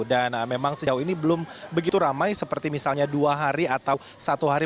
dan memang sejauh ini belum begitu ramai seperti misalnya dua hari atau satu hari